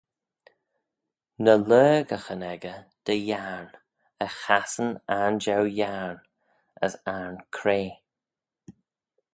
Ny lurgaghyn echey dy yiarn, e chassyn ayrn jeu yiarn, as ayrn cray.